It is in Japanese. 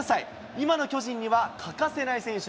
今の巨人には欠かせない選手